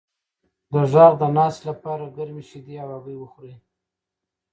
د غږ د ناستې لپاره ګرمې شیدې او هګۍ وخورئ